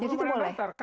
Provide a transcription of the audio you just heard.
jadi itu boleh